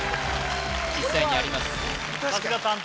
実際にあります